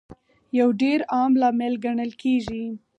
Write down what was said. یو ډېر عام لامل ګڼل کیږي